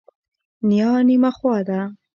نیا نیمه خوا ده.